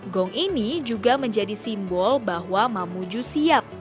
gong ini juga menjadi simbol bahwa mamuju siap